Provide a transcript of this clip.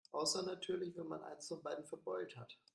Außer natürlich, wenn man eins von beiden verbeult hat.